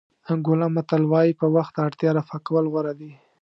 انګولا متل وایي په وخت اړتیا رفع کول غوره دي.